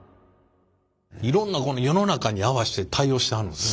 いろんな世の中に合わして対応してはるんですね。